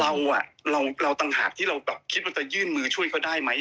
เราต่างหากที่เราแบบคิดว่าจะยื่นมือช่วยเขาได้ไหม